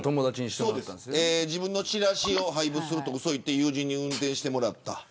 自分のチラシを配布するとうそを言って友人に運転してもらった。